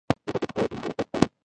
د غوښې پخولو پر مهال احتیاط پکار دی.